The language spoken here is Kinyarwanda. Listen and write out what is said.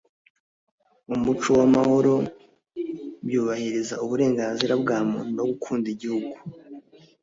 umuco w'amahoro, byubahiriza uburenganzira bwa muntu no gukunda igihugu